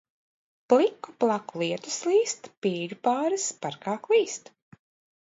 Pliku plaku lietus līst, pīļu pāris parkā klīst.